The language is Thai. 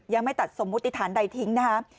ยังไม่ตัดสมมุติฐานใดทิ้งนะคะ